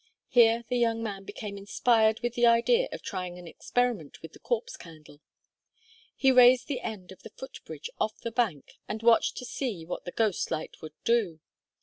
Here the young man became inspired with the idea of trying an experiment with the Corpse Candle. He raised the end of the foot bridge off the bank, and watched to see what the ghostly light would do.